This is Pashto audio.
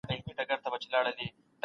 ټولنيز درسونه زده کيږي.